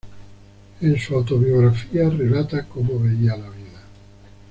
En su autobiografía relata cómo veía la vida.